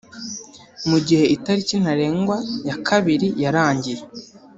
Mu gihe itariki ntarengwa ya kabiri yarangiye